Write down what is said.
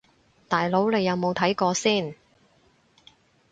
大佬你有冇睇過先